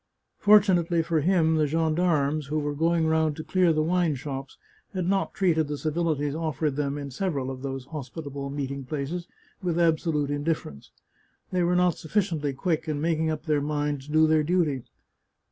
Fortunately for him, the gendarmes, who were going round to clear the wine shops, had not treated the civilities offered them in several of these hospitable meeting places with absolute indiffer ence. They were not sufficiently quick in making up their minds to do their duty.